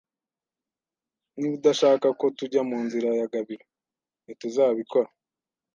Niba udashaka ko tujya munzira ya Gabiro, ntituzabikora.